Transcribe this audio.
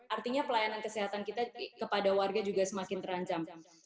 artinya pelayanan kesehatan kita kepada warga juga semakin terancam